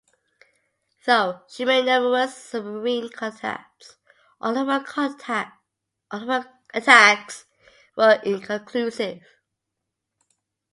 Though she made numerous submarine contacts, all of her attacks were inconclusive.